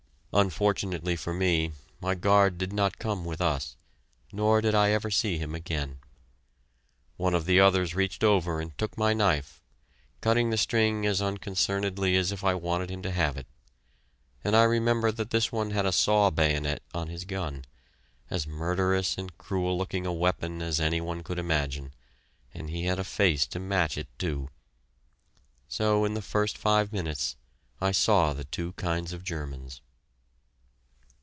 Unfortunately for me, my guard did not come with us, nor did I ever see him again. One of the others reached over and took my knife, cutting the string as unconcernedly as if I wanted him to have it, and I remember that this one had a saw bayonet on his gun, as murderous and cruel looking a weapon as any one could imagine, and he had a face to match it, too. So in the first five minutes I saw the two kinds of Germans.